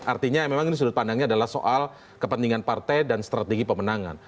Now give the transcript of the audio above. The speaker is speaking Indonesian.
artinya memang ini sudut pandangnya adalah soal kepentingan partai dan strategi pemenangan